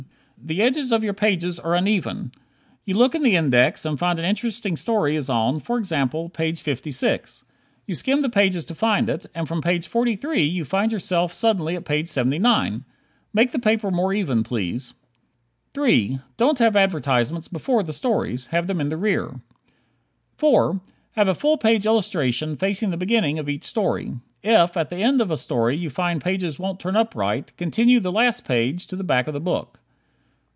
The edges of your pages are uneven. You look in the index and find an interesting story is on, for example, page 56. You skim the pages to find it, and from page 43 you find yourself suddenly at page 79. Make the paper more even, please. 3. Don't have advertisements before the stories. Have them in the rear. 4. Have a full page illustration facing the beginning of each story. If at the end of a story you find pages won't turn up right, continue the last page to the back of the book.